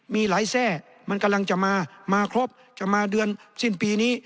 มีหลายแทร่มันกำลังจะมามาครบจะมาเดือนสิ้นปีนี้